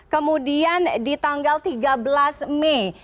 kemudian di tanggal tiga belas mei